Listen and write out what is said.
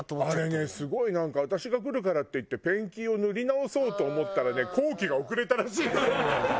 あれねすごいなんか私が来るからっていってペンキを塗り直そうと思ったらね工期が遅れたらしいの。